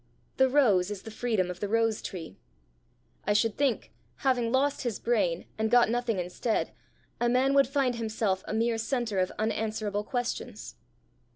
The rose is the freedom of the rose tree. I should think, having lost his brain, and got nothing instead, a man would find himself a mere centre of unanswerable questions."